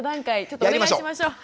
ちょっとお願いしましょう。